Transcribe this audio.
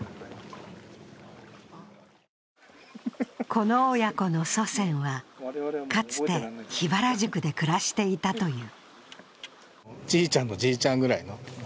この親子の祖先は、かつて桧原宿で暮らしていたという。